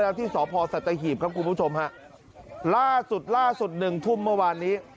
สตสัตเทฮีบครับคุณผู้ชมฮะล่าสุด๑ทุ่มเมื่อวานนี้